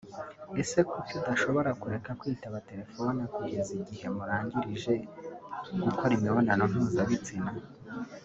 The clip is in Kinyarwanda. ese kuki udashobora kureka kwitaba telefone kugeza igihe murangirija gukora imibonano mpuzabitsina